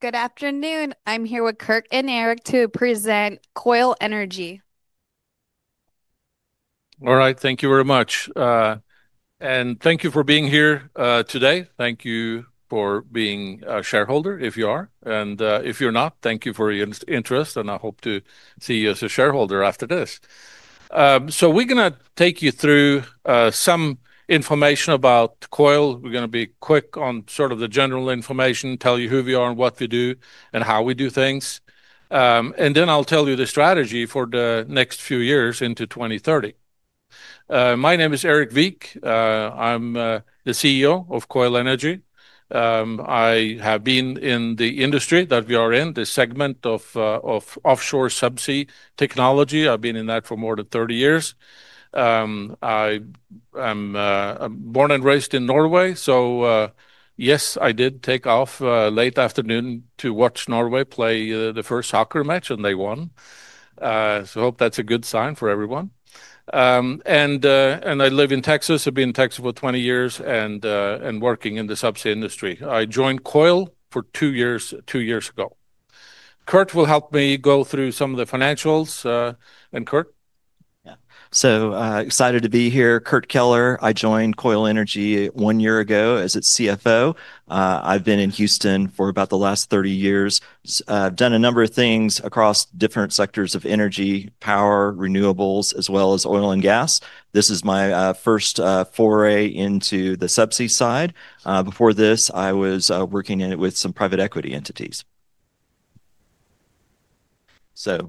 Good afternoon. I'm here with Kurt and Erik to present Koil Energy. All right. Thank you very much. Thank you for being here today. Thank you for being a shareholder, if you are, if you're not, thank you for your interest. I hope to see you as a shareholder after this. We're going to take you through some information about Koil Energy. We're going to be quick on sort of the general information, tell you who we are and what we do, how we do things. Then I'll tell you the strategy for the next few years into 2030. My name is Erik Wiik. I'm the CEO of Koil Energy. I have been in the industry that we are in, the segment of offshore subsea technology, I've been in that for more than 30 years. I'm born and raised in Norway, yes, I did take off late afternoon to watch Norway play the first soccer match. They won. I hope that's a good sign for everyone. I live in Texas. I've been in Texas for 20 years and working in the subsea industry. I joined Koil Energy two years ago. Kurt will help me go through some of the financials. Kurt? Excited to be here. Kurt Keller. I joined Koil Energy one year ago as its CFO. I've been in Houston for about the last 30 years. I've done a number of things across different sectors of energy, power, renewables, as well as oil and gas. This is my first foray into the subsea side. Before this, I was working in it with some private equity entities.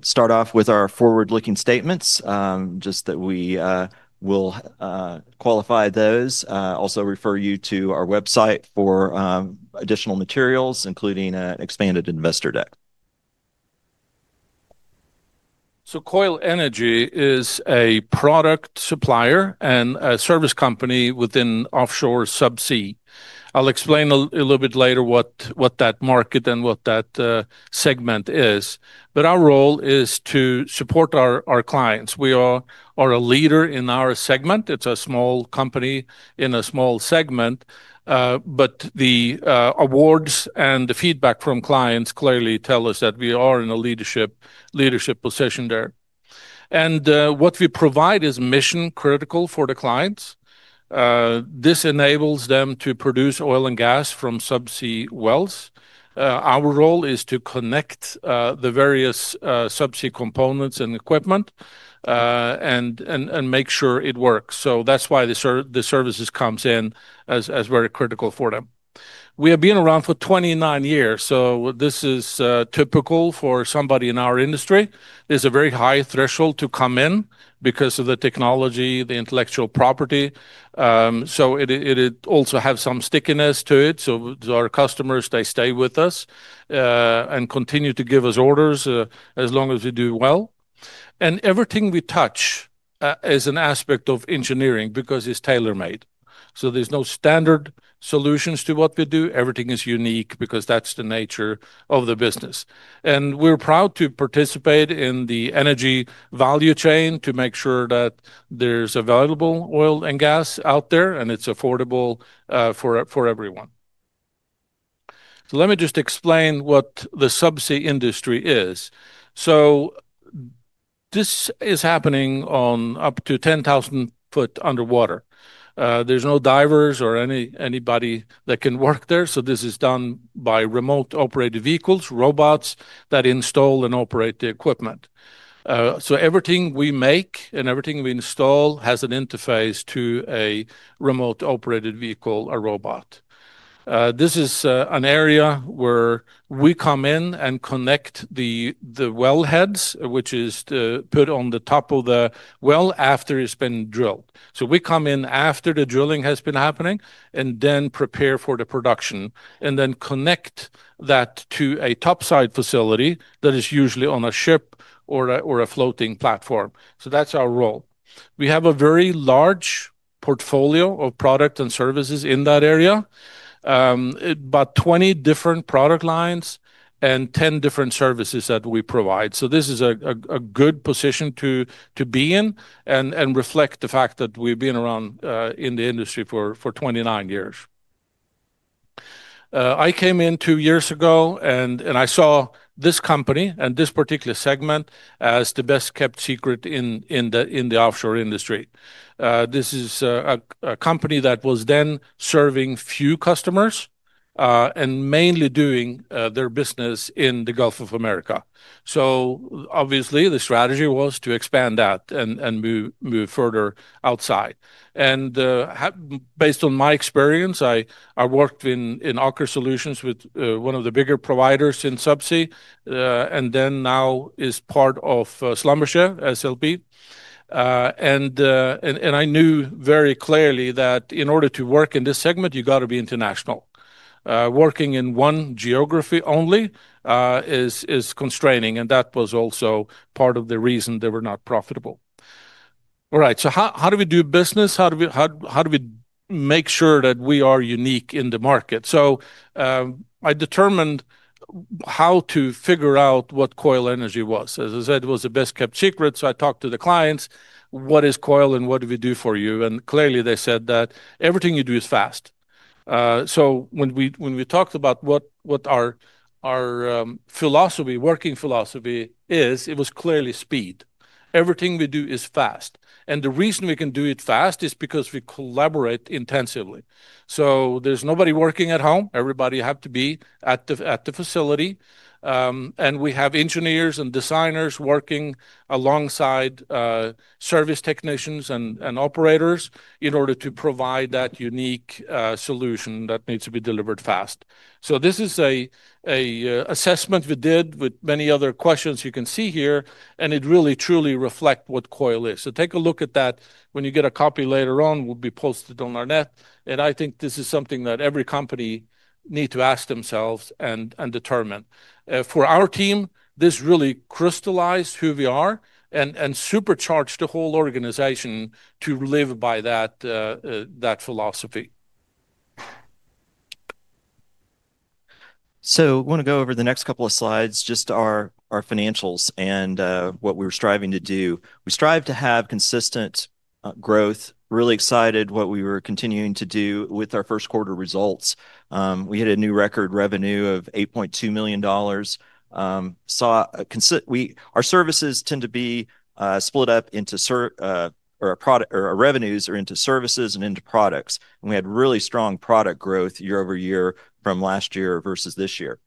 Start off with our forward-looking statements, just that we will qualify those. Also refer you to our website for additional materials, including an expanded investor deck. Koil Energy is a product supplier and a service company within offshore subsea. I'll explain a little bit later what that market and what that segment is. Our role is to support our clients. We are a leader in our segment. It's a small company in a small segment, but the awards and the feedback from clients clearly tell us that we are in a leadership position there. What we provide is mission-critical for the clients. This enables them to produce oil and gas from subsea wells. Our role is to connect the various subsea components and equipment, and make sure it works. That's why the services comes in as very critical for them. We have been around for 29 years, this is typical for somebody in our industry. There's a very high threshold to come in because of the technology, the intellectual property, it also have some stickiness to it. Our customers, they stay with us, and continue to give us orders as long as we do well. Everything we touch is an aspect of engineering because it's tailor-made. There's no standard solutions to what we do. Everything is unique because that's the nature of the business. We're proud to participate in the energy value chain to make sure that there's available oil and gas out there, and it's affordable for everyone. Let me just explain what the subsea industry is. This is happening on up to 10,000 feet underwater. There's no divers or anybody that can work there, this is done by Remotely Operated Vehicles, robots that install and operate the equipment. Everything we make and everything we install has an interface to a Remotely Operated Vehicle, a robot. This is an area where we come in and connect the wellheads, which is put on the top of the well after it's been drilled. We come in after the drilling has been happening and then prepare for the production, and then connect that to a topside facility that is usually on a ship or a floating platform. That's our role. We have a very large portfolio of product and services in that area. About 20 different product lines and 10 different services that we provide. This is a good position to be in and reflect the fact that we've been around, in the industry for 29 years. I came in two years ago, I saw this company and this particular segment as the best-kept secret in the offshore industry. This is a company that was then serving few customers, and mainly doing their business in the Gulf of America. Obviously the strategy was to expand that and move further outside. Based on my experience, I worked in Aker Solutions with one of the bigger providers in subsea, and then now is part of Schlumberger, SLB. I knew very clearly that in order to work in this segment, you got to be international. Working in one geography only is constraining, and that was also part of the reason they were not profitable. All right, how do we do business? How do we make sure that we are unique in the market? I determined how to figure out what Koil Energy was. As I said, it was the best-kept secret, I talked to the clients, "What is Koil Energy, and what do we do for you?" Clearly they said that, "Everything you do is fast." When we talked about what our working philosophy is, it was clearly speed. Everything we do is fast. The reason we can do it fast is because we collaborate intensively. There's nobody working at home. Everybody have to be at the facility. We have engineers and designers working alongside service technicians and operators in order to provide that unique solution that needs to be delivered fast. This is a assessment we did with many other questions you can see here, and it really truly reflect what Koil Energy is. Take a look at that when you get a copy later on. It will be posted on our net. I think this is something that every company need to ask themselves and determine. For our team, this really crystallized who we are and supercharged the whole organization to live by that philosophy. We want to go over the next couple of slides, just our financials and what we're striving to do. We strive to have consistent growth, really excited what we were continuing to do with our first quarter results. We hit a new record revenue of $8.2 million. Our revenues are into services and into products, and we had really strong product growth year-over-year from last year versus this year.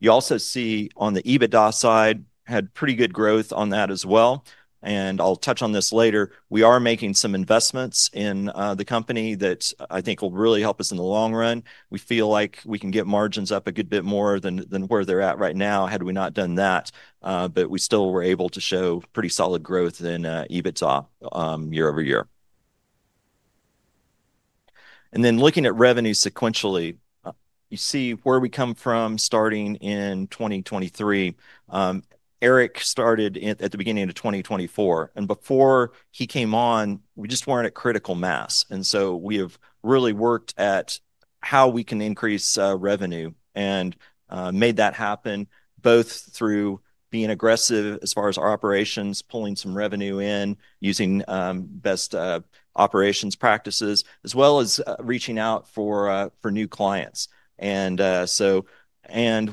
You also see on the EBITDA side, had pretty good growth on that as well, and I'll touch on this later. We are making some investments in the company that I think will really help us in the long run. We feel like we can get margins up a good bit more than where they're at right now had we not done that. We still were able to show pretty solid growth in EBITDA year-over-year. Looking at revenue sequentially, you see where we come from starting in 2023. Erik started at the beginning of 2024, and before he came on, we just weren't at critical mass. We have really worked at how we can increase revenue and made that happen, both through being aggressive as far as our operations, pulling some revenue in, using best operations practices, as well as reaching out for new clients.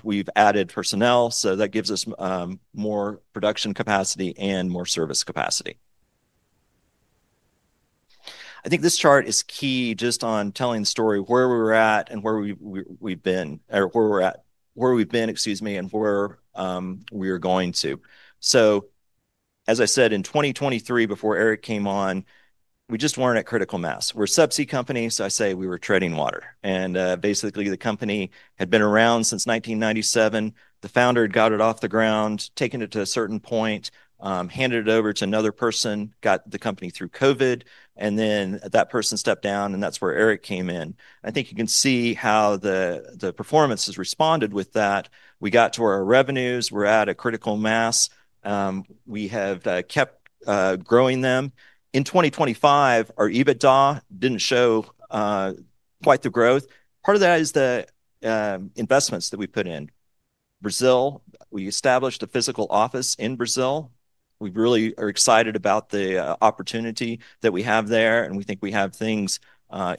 We've added personnel, that gives us more production capacity and more service capacity. I think this chart is key just on telling the story of where we're at, where we've been, and where we are going to. As I said, in 2023, before Erik came on, we just weren't at critical mass. We're a subsea company, I say we were treading water. Basically, the company had been around since 1997. The founder had got it off the ground, taken it to a certain point, handed it over to another person, got the company through COVID, and then that person stepped down, and that's where Erik came in. I think you can see how the performance has responded with that. We got to where our revenues were at a critical mass. We have kept growing them. In 2025, our EBITDA didn't show quite the growth. Part of that is the investments that we put in. Brazil, we established a physical office in Brazil. We really are excited about the opportunity that we have there, and we think we have things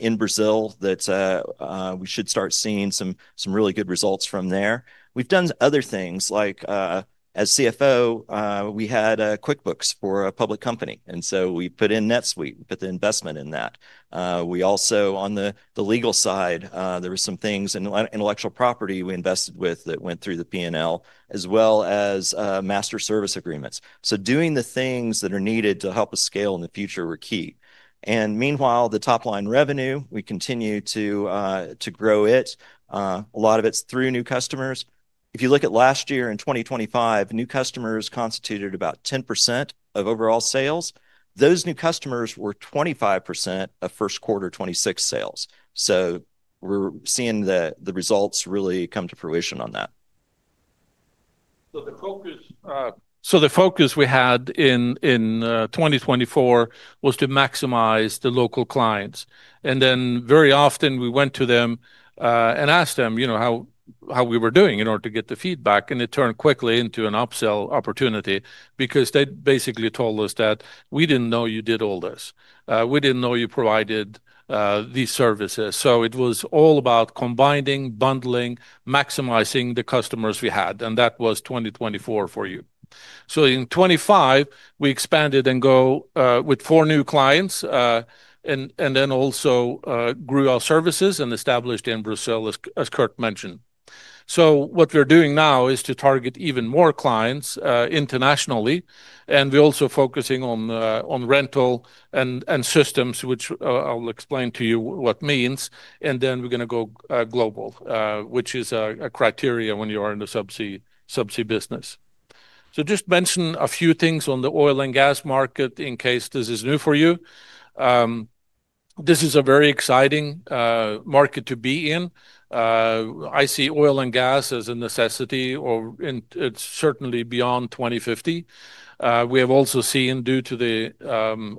in Brazil that we should start seeing some really good results from there. We've done other things like, as CFO, we had QuickBooks for a public company. We put in NetSuite. We put the investment in that. We also, on the legal side, there were some things in intellectual property we invested with that went through the P&L, as well as Master Service Agreements. Doing the things that are needed to help us scale in the future were key. Meanwhile, the top-line revenue, we continue to grow it. A lot of it's through new customers. If you look at last year, in 2025, new customers constituted about 10% of overall sales. Those new customers were 25% of first quarter 2026 sales. We're seeing the results really come to fruition on that. The focus we had in 2024 was to maximize the local clients. Very often we went to them, and asked them how we were doing in order to get the feedback, and it turned quickly into an upsell opportunity because they basically told us that, "We didn't know you did all this. We didn't know you provided these services." It was all about combining, bundling, maximizing the customers we had, and that was 2024 for you. In 2025, we expanded and go with four new clients, and then also grew our services and established in Brazil, as Kurt mentioned. What we're doing now is to target even more clients internationally, and we're also focusing on rental and systems, which I'll explain to you what means. We're going to go global, which is a criteria when you are in the subsea business. Just mention a few things on the oil and gas market in case this is new for you. This is a very exciting market to be in. I see oil and gas as a necessity, and it's certainly beyond 2050. We have also seen, due to the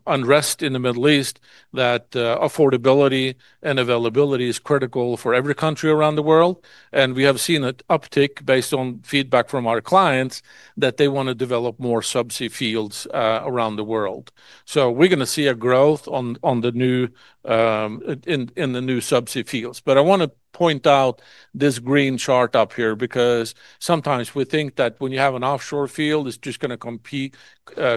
unrest in the Middle East, that affordability and availability is critical for every country around the world. We have seen an uptick, based on feedback from our clients, that they want to develop more subsea fields around the world. We're going to see a growth in the new subsea fields. I want to point out this green chart up here, because sometimes we think that when you have an offshore field, it's just going to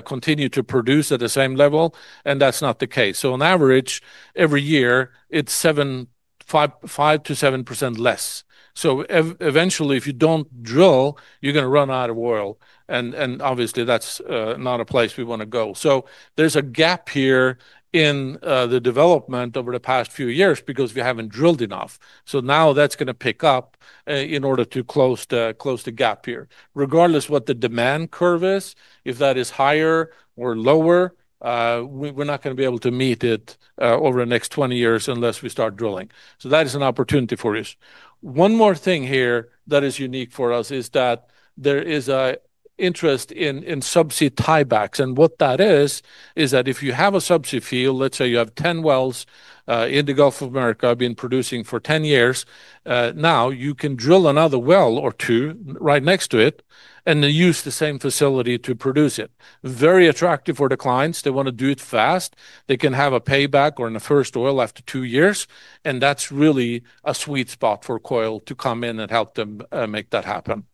continue to produce at the same level, and that's not the case. On average, every year, it's 5%-7% less. Eventually, if you don't drill, you're going to run out of oil, and obviously that's not a place we want to go. There's a gap here in the development over the past few years because we haven't drilled enough. Now that's going to pick up in order to close the gap here. Regardless what the demand curve is, if that is higher or lower, we're not going to be able to meet it over the next 20 years unless we start drilling. That is an opportunity for us. One more thing here that is unique for us is that there is an interest in subsea tiebacks. What that is that if you have a subsea field, let's say you have 10 wells in the Gulf of Mexico, been producing for 10 years. Now you can drill another well or two right next to it and then use the same facility to produce it. Very attractive for the clients. They want to do it fast. They can have a payback or in the first oil after two years, and that's really a sweet spot for Koil Energy to come in and help them make that happen.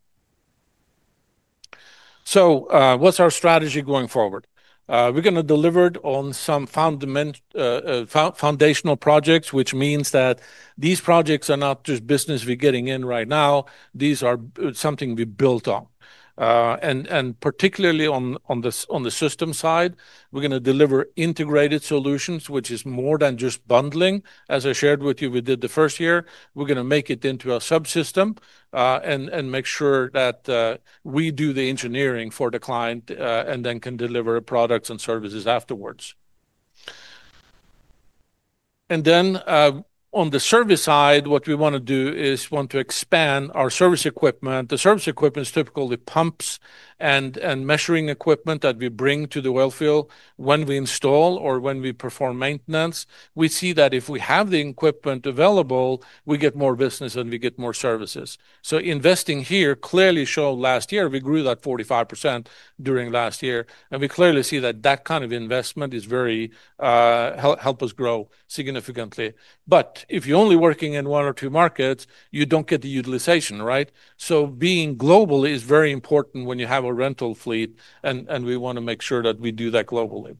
What's our strategy going forward? We're going to deliver on some foundational projects, which means that these projects are not just business we're getting in right now. These are something we built on. Particularly on the systems side, we're going to deliver integrated solutions, which is more than just bundling. As I shared with you, we did the first year. We're going to make it into a subsystem, make sure that we do the engineering for the client, and then can deliver products and services afterwards. On the service side, what we want to do is want to expand our service equipment. The service equipment is typically pumps and measuring equipment that we bring to the well field when we install or when we perform maintenance. We see that if we have the equipment available, we get more business and we get more services. Investing here clearly showed last year, we grew that 45% during last year, and we clearly see that that kind of investment help us grow significantly. If you're only working in one or two markets, you don't get the utilization, right? Being global is very important when you have a rental fleet, and we want to make sure that we do that globally.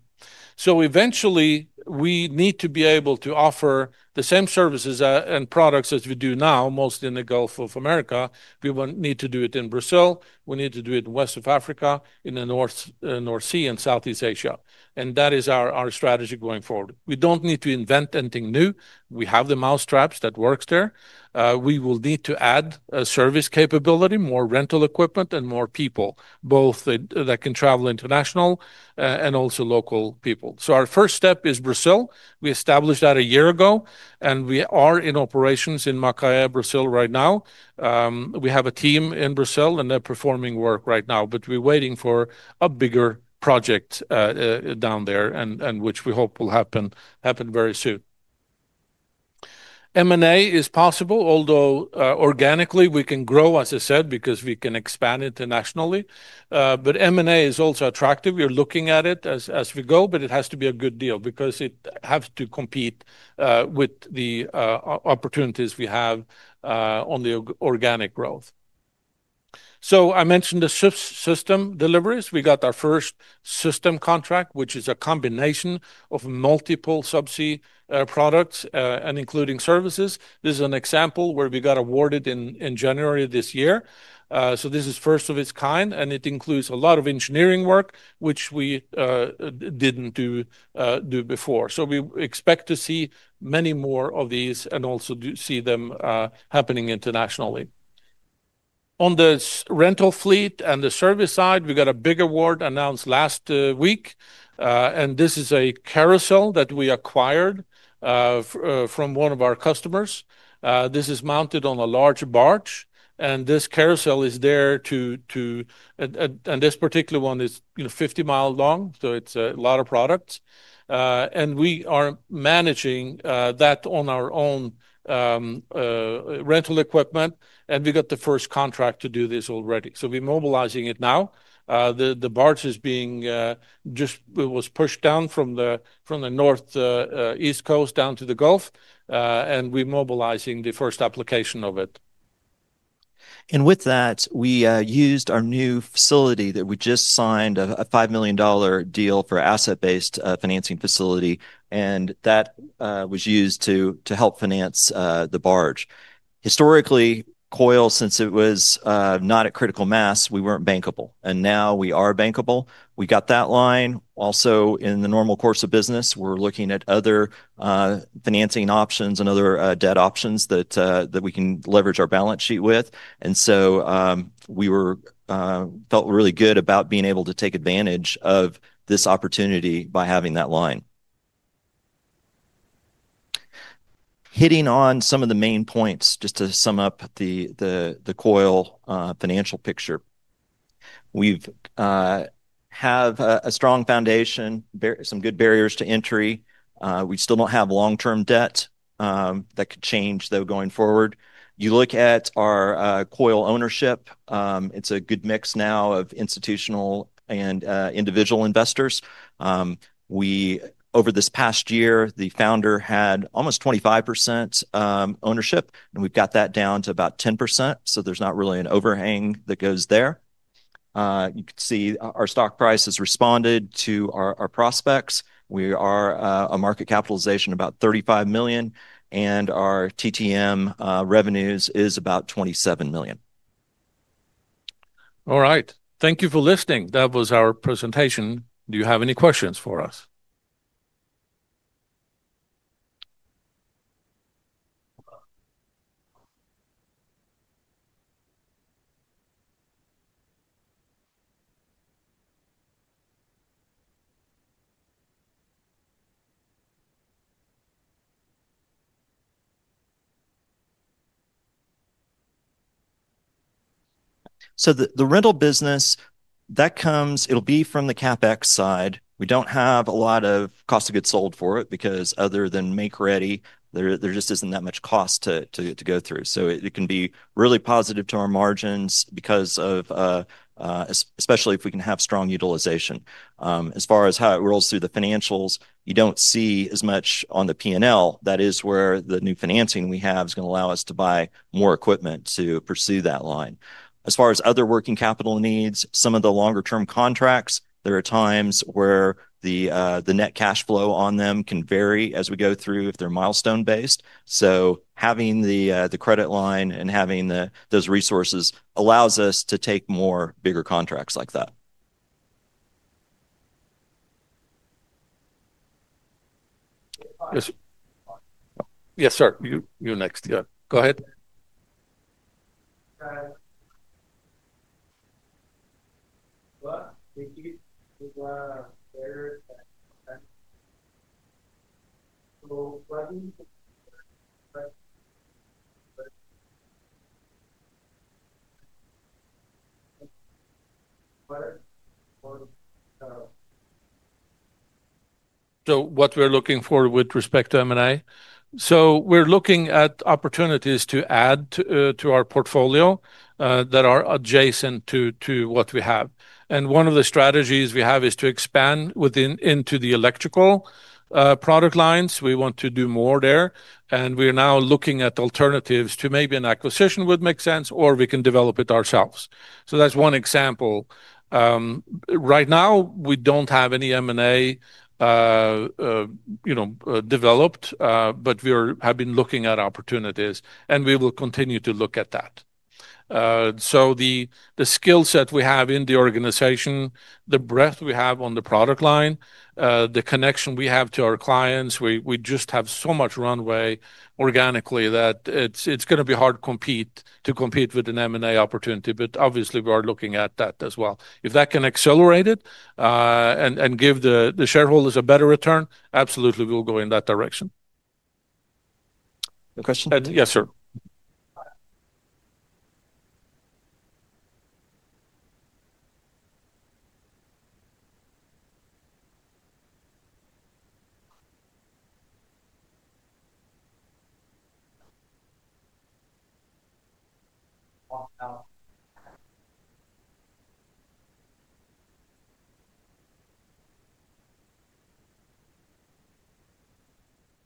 Eventually we need to be able to offer the same services and products as we do now, mostly in the Gulf of Mexico. We will need to do it in Brazil. We need to do it in West of Africa, in the North Sea, and Southeast Asia. That is our strategy going forward. We don't need to invent anything new. We have the mousetraps that works there. We will need to add a service capability, more rental equipment, and more people, both that can travel international and also local people. Our first step is Brazil. We established that a year ago, and we are in operations in Macaé, Brazil right now. We have a team in Brazil, and they're performing work right now, but we're waiting for a bigger project down there, and which we hope will happen very soon. M&A is possible, although organically we can grow, as I said, because we can expand internationally. M&A is also attractive. We are looking at it as we go, but it has to be a good deal because it has to compete with the opportunities we have on the organic growth. I mentioned the system deliveries. We got our first system contract, which is a combination of multiple subsea products, and including services. This is an example where we got awarded in January of this year. This is first of its kind, and it includes a lot of engineering work, which we didn't do before. We expect to see many more of these and also do see them happening internationally. On the rental fleet and the service side, we got a big award announced last week, and this is a carousel that we acquired from one of our customers. This is mounted on a large barge, and this carousel is there to. This particular one is 50 mi long, so it's a lot of products. We are managing that on our own rental equipment, and we got the first contract to do this already. We're mobilizing it now. The barge just was pushed down from the northeast coast down to the Gulf, and we're mobilizing the first application of it. With that, we used our new facility that we just signed a $5 million deal for asset-based financing facility, and that was used to help finance the barge. Historically, Koil Energy, since it was not at critical mass, we weren't bankable, and now we are bankable. We got that line. Also, in the normal course of business, we're looking at other financing options and other debt options that we can leverage our balance sheet with. We felt really good about being able to take advantage of this opportunity by having that line. Hitting on some of the main points, just to sum up the Koil Energy financial picture. We have a strong foundation, some good barriers to entry. We still don't have long-term debt. That could change, though, going forward. You look at our Koil Energy ownership, it's a good mix now of institutional and individual investors. Over this past year, the founder had almost 25% ownership, and we've got that down to about 10%, so there's not really an overhang that goes there. You can see our stock price has responded to our prospects. We are a market capitalization of about $35 million, and our TTM revenues is about $27 million. All right. Thank you for listening. That was our presentation. Do you have any questions for us? The rental business, it'll be from the CapEx side. We don't have a lot of cost of goods sold for it, because other than make-ready, there just isn't that much cost to go through. It can be really positive to our margins, especially if we can have strong utilization. As far as how it rolls through the financials, you don't see as much on the P&L. That is where the new financing we have is going to allow us to buy more equipment to pursue that line. As far as other working capital needs, some of the longer term contracts, there are times where the net cash flow on them can vary as we go through if they're milestone-based. Having the credit line and having those resources allows us to take more bigger contracts like that. Yes, sir. You next. Yeah, go ahead. [inaudible] What we're looking for with respect to M&A. We're looking at opportunities to add to our portfolio that are adjacent to what we have. One of the strategies we have is to expand into the electrical product lines. We want to do more there, and we're now looking at alternatives to maybe an acquisition would make sense, or we can develop it ourselves. That's one example. Right now, we don't have any M&A developed, but we have been looking at opportunities, and we will continue to look at that. The skill set we have in the organization, the breadth we have on the product line, the connection we have to our clients, we just have so much runway organically that it's going to be hard to compete with an M&A opportunity. Obviously, we are looking at that as well. If that can accelerate it and give the shareholders a better return, absolutely, we will go in that direction. Question? Yes, sir.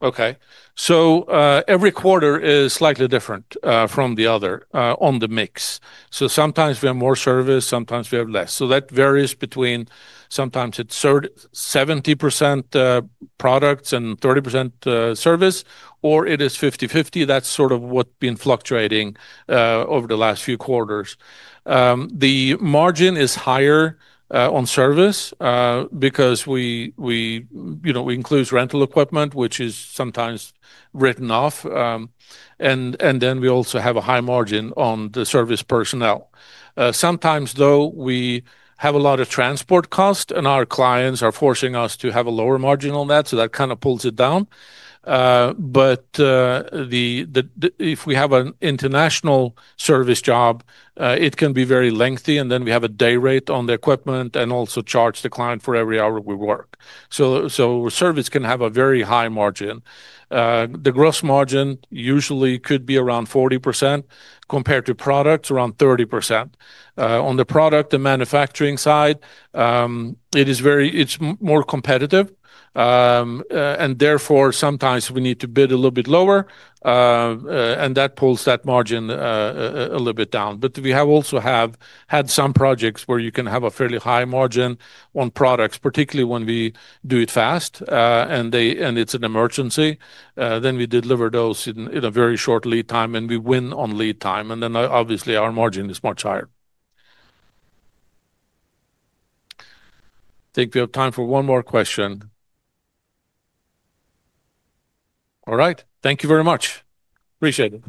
Okay. Every quarter is slightly different from the other on the mix. Sometimes we have more service, sometimes we have less. That varies between, sometimes it's 70% products and 30% service, or it is 50/50. That's sort of what's been fluctuating over the last few quarters. The margin is higher on service because it includes rental equipment, which is sometimes written off, and then we also have a high margin on the service personnel. Sometimes though, we have a lot of transport cost, and our clients are forcing us to have a lower margin on that, so that kind of pulls it down. If we have an international service job, it can be very lengthy, and then we have a day rate on the equipment and also charge the client for every hour we work. Service can have a very high margin. The gross margin usually could be around 40%, compared to products, around 30%. On the product and manufacturing side, it's more competitive, and therefore, sometimes we need to bid a little bit lower, and that pulls that margin a little bit down. We have also had some projects where you can have a fairly high margin on products, particularly when we do it fast, and it's an emergency. We deliver those in a very short lead time, and we win on lead time, and then obviously our margin is much higher. I think we have time for one more question. All right. Thank you very much. Appreciate it.